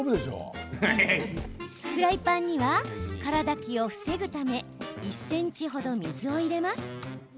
フライパンには空だきを防ぐため１ｃｍ程水を入れます。